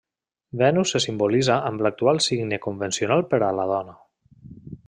Venus se simbolitza amb l'actual signe convencional per a la dona.